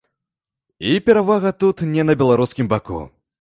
І перавага тут не на беларускім баку.